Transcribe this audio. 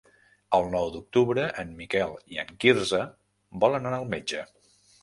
El nou d'octubre en Miquel i en Quirze volen anar al metge.